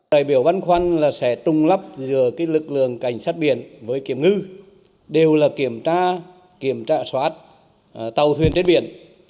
đại biểu văn khoăn sẽ trung lấp giữa lực lượng cảnh sát biển với kiểm ngư đều là kiểm tra kiểm tra xoát tàu thuyền trên biển